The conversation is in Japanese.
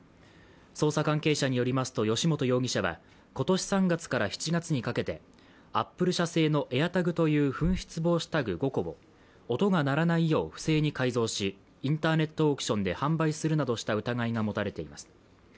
捜査関係者によりますと、由元容疑者は今年３月から７月にかけてアップル社製のＡｉｒＴａｇという紛失防止タグ５個を音が鳴らないよう不正に改造しインターネットオークションで販売するなどした疑いがもたれています。